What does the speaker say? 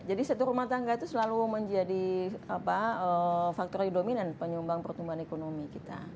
satu rumah tangga itu selalu menjadi faktor dominan penyumbang pertumbuhan ekonomi kita